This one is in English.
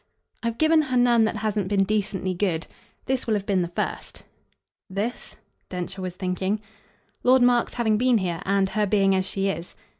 "I've given her none that hasn't been decently good. This will have been the first." "'This'?" Densher was thinking. "Lord Mark's having been here, and her being as she is."